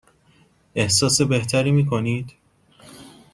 احساس بهتری می کنید؟